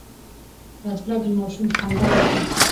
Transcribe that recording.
وسله د ماشوم خندا وژني